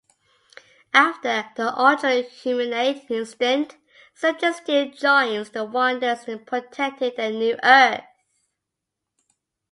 After the Ultra-Humanite incident, Sergeant Steel joins the Wonders in protecting their new Earth.